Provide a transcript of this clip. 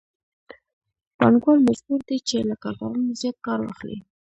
پانګوال مجبور دی چې له کارګرانو زیات کار واخلي